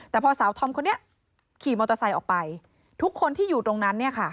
แต่พอสาวธอมคนนี้ขี่มอเตอร์ไซค์ออกไปทุกคนที่อยู่ตรงนั้นเนี่ยค่ะ